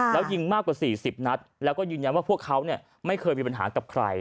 แล้วยิงมากกว่า๔๐นัดแล้วก็ยืนยันว่าพวกเขาไม่เคยมีปัญหากับใคร